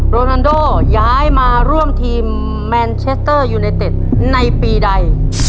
โรนันโดย้ายมาร่วมทีมแมนเชสเตอร์ยูไนเต็ดในปีใด